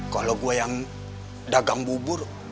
kalau gue yang dagang bubur